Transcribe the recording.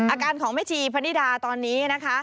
อาการของแม่ชีพนิดาตอนนี้นะคะ